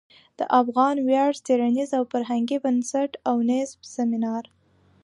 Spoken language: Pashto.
د افغان ویاړ څیړنیز او فرهنګي بنسټ او نیز سمینار